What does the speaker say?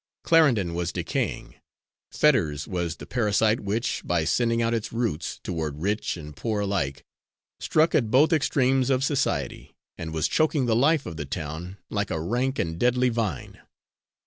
Clarendon was decaying. Fetters was the parasite which, by sending out its roots toward rich and poor alike, struck at both extremes of society, and was choking the life of the town like a rank and deadly vine.